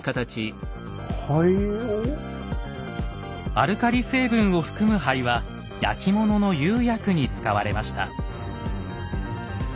アルカリ成分を含む灰は焼き物の釉薬に使われました。